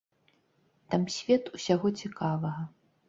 Там свет усяго цікавага.